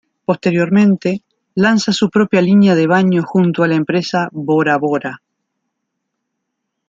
Posteriormente, lanza su propia línea de baño junto a la empresa "Bora-Bora".